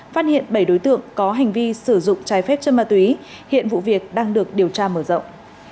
phát hiện bảy đối tượng có hành vi sử dụng trái phép chân ma túy hiện vụ việc đang được điều tra mở rộng